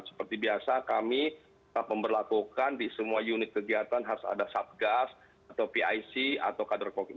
seperti biasa kami tetap memperlakukan di semua unit kegiatan harus ada satgas atau pic atau kader covid